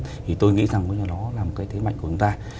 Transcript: thì tôi nghĩ rằng đó là một cái thế mạnh của chúng ta